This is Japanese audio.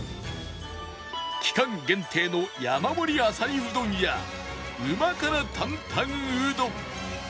期間限定の山盛りあさりうどんやうま辛担々うどん